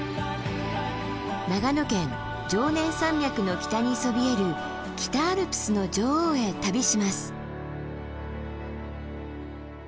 長野県常念山脈の北にそびえる北アルプスの女王へ旅します。